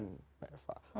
jadi itu adalah bagiannya